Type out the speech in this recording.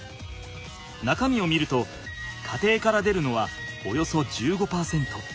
中身を見ると家庭から出るのはおよそ１５％。